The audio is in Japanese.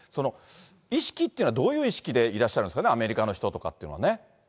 意識というのはどういう意識でいらっしゃるんですかね、アメリカの人とかっていうのはね。